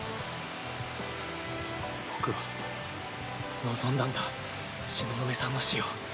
僕は望んだんだ東雲さんの死を。